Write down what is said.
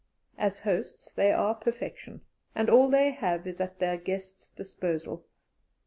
As hosts they are perfection, and all they have is at their guests' disposal.